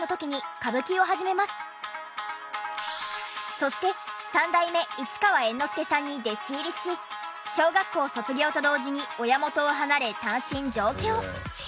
そして三代目市川猿之助さんに弟子入りし小学校卒業と同時に親元を離れ単身上京。